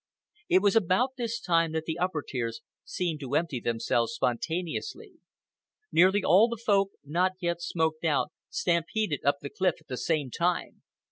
It was about this time that the upper tiers seemed to empty themselves spontaneously. Nearly all the Folk not yet smoked out stampeded up the cliff at the same time.